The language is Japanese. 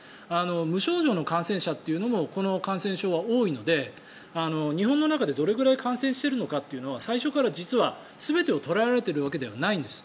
無症状の感染者というのもこの感染症は多いので日本の中でどれくらい感染しているのかというのは最初から実は全てを捉えられているわけではないんです。